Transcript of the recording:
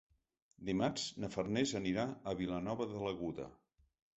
Dimarts na Farners anirà a Vilanova de l'Aguda.